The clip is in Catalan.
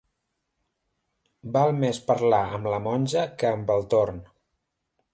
Val més parlar amb la monja que amb el torn.